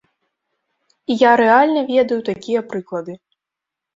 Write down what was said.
І я рэальна ведаю такія прыклады.